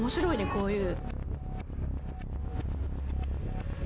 こういう。